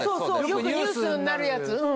よくニュースになるやつ。